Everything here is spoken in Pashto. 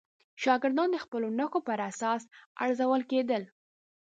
شاګردان د خپلو نښو پر اساس ارزول کېدل.